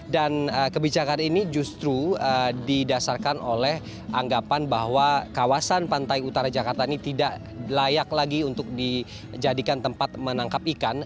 dan kebijakan ini justru didasarkan oleh anggapan bahwa kawasan pantai utara jakarta ini tidak layak lagi untuk dijadikan tempat menangkap ikan